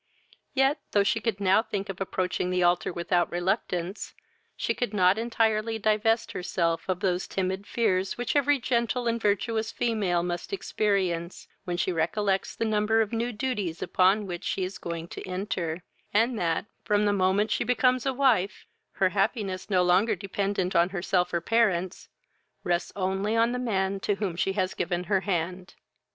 yet, though she could now think of approaching the altar without reluctance, she could not entirely divest herself of those timid fears which every gentle and virtuous female must experience when she recollects the number of new duties upon which she is going to enter, and that, from the moment she becomes a wife, her happiness, no longer dependent on herself or parents, rests only on the man to whom she has given her hand.